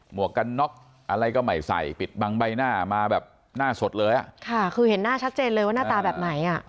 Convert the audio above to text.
วกกันน็อกอะไรก็ไม่ใส่ปิดบังใบหน้ามาแบบหน้าสดเลยอ่ะค่ะคือเห็นหน้าชัดเจนเลยว่าหน้าตาแบบไหนอ่ะ